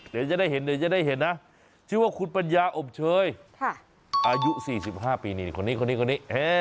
เดี๋ยวจะได้เห็นนะชื่อว่าคุณปัญญาอบเชยอายุ๔๕ปีคนนี้